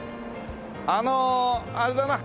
あのあれだな。